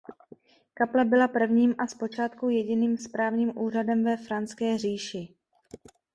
Kaple byla prvním a zpočátku jediným správním úřadem ve Franské říši.